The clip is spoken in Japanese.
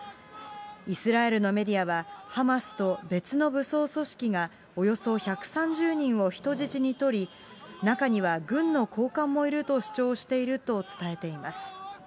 イスラエルのメディアは、ハマスと別の武装組織が、およそ１３０人を人質に取り、中には軍の高官もいると主張していると伝えています。